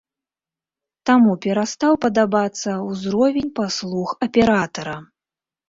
Таму перастаў падабацца ўзровень паслуг аператара.